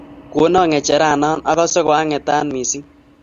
Konon ng'echerana ,akase koang'etat missing'.